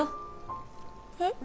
えっ？